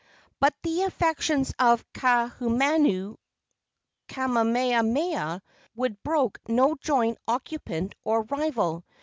But in the affections of Kaahumanu Kamehameha would brook no joint occupant or rival.